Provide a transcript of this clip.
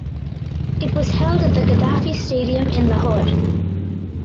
It was held at the Gaddafi Stadium in Lahore.